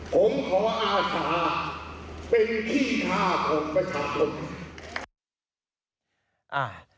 ผมขออาศาเป็นขี้ท่าของประชาธุ